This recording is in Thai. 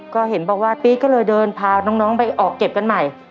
ก็เห็นบอกว่าตี๊ก็เลยเดินพาน้องไปออกเก็บกันใหม่